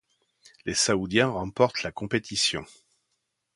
Les saoudiens remportent la compétition.